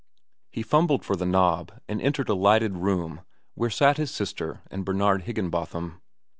He fumbled for the knob and entered a lighted room, where sat his sister and Bernard Higginbotham.